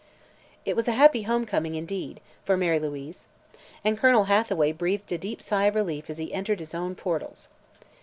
It was a happy homecoming, indeed, for Mary Louise. And Colonel Hathaway breathed a deep sigh of relief as he entered his own portals.